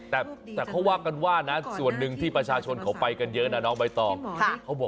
แต่เขาว่ากันว่านะส่วนหนึ่งที่ประชาชนเขาไปกันเยอะนะน้องใบตอง